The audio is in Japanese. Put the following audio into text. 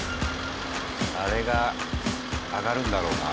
あれが上がるんだろうな。